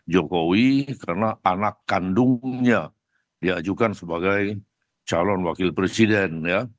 jokowi karena anak kandungnya diajukan sebagai calon wakil presiden